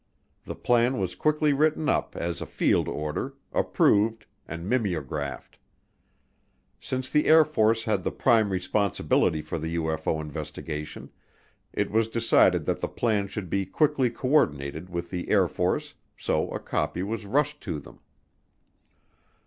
The plan was quickly written up as a field order, approved, and mimeographed. Since the Air Force had the prime responsibility for the UFO investigation, it was decided that the plan should be quickly co ordinated with the Air Force, so a copy was rushed to them.